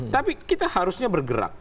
tapi kita harusnya bergerak